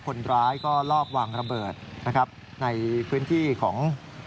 คนร้ายก็ลอกวางระเบิดในพื้นที่ของ